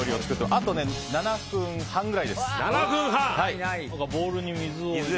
あと７分半くらいです。